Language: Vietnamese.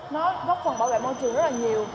nó góp phần bảo vệ môi trường rất là nhiều